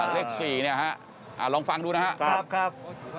เลข๔ลองฟังดูนะครับ